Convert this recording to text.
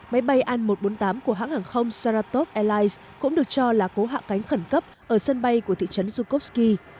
máy bay an một trăm bốn mươi tám của hãng hàng không saratop airlines cũng được cho là cố hạ cánh khẩn cấp ở sân bay của thị trấn yukovsky